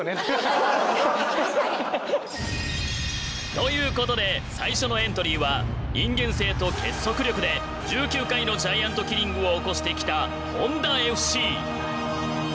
ということで最初のエントリーは人間性と結束力で１９回のジャイアントキリングを起こしてきたホンダＦＣ。